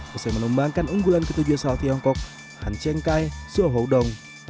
bisa menumbangkan unggulan ketujuh salat tiongkok han chengkai soe ho dong